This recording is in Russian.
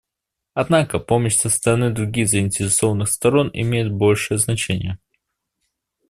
Однако помощь со стороны других заинтересованных сторон имеет большое значение.